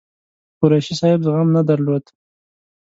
قریشي صاحب زغم نه درلود.